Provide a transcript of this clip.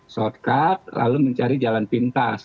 shortcut lalu mencari jalan pintas